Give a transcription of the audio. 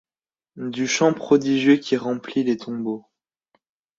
Du chant prodigieux qui remplit les tombeaux.